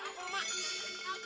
bang gua tidur bang